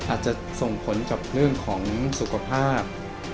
อาจจะส่งผลกับเรื่องของสุขภาพ